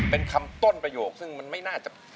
เป็นคำต้นประโยคซึ่งมันไม่น่าจะ